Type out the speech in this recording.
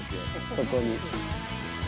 そこに。